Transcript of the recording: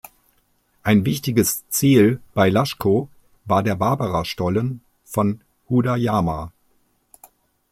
Ein wichtiges Ziel bei Laško war der Barbara-Stollen von Huda Jama.